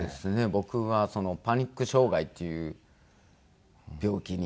僕がパニック障害っていう病気に。